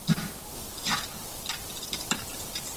Paxson was a born-again Christian.